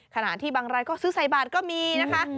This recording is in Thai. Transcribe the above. ขณะที่บางรายก็ซื้อใส่บาทก็มีนะคะ